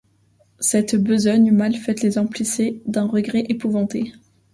Cette besogne mal faite les emplissait d’un regret épouvanté.